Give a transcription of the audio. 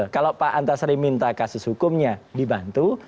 kalau pak antasari minta kasus hukumnya dibantu